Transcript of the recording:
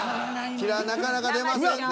キラなかなか出ませんね。